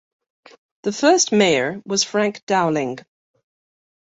The first Mayor was Frank Dowling.